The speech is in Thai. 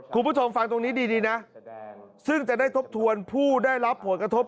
คุณผู้ชมฟังตรงนี้ดีนะซึ่งจะได้ทบทวนผู้ได้รับผลกระทบ